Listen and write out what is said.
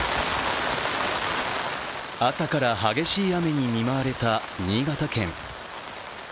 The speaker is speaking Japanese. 朝から激しい雨に見舞われた新潟県。